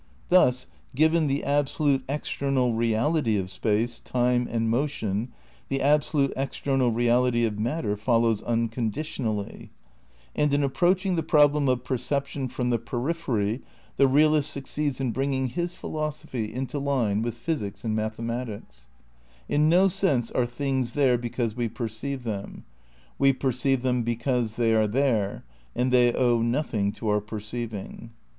Thus, given the absolute external reality of space, time and motion, the absolute external reality of mat ter follows unconditionally; and in approaching the problem of perception from the periphery the realist ' Our Knowledge of the External World. II THE CRITICAL PREPARATIONS 19 succeeds in bringing his philosophy into line with physics and mathematics. In no sense are things there because we perceive them; we perceive them because they are there and they owe nothing to our perceiving.